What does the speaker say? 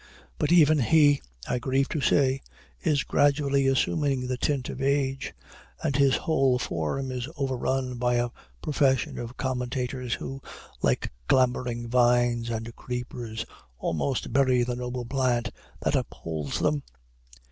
But even he, I grieve to say, is gradually assuming the tint of age, and his whole form is overrun by a profusion of commentators, who, like clambering vines and creepers, almost bury the noble plant that upholds them."